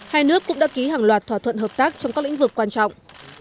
hai nước cũng đã ký hàng loạt thỏa thuận hợp tác trong các lĩnh vực quan trọng